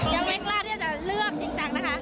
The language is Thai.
ยังไม่กล้าที่จะเลือกจริงจังนะคะ